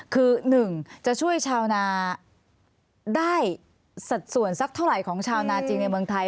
คือ๑จะช่วยชาวนาได้สัดส่วนสักเท่าไหร่ของชาวนาจริงในเมืองไทย